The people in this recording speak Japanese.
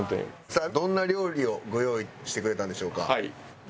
さあどんな料理をご用意してくれたんでしょうか？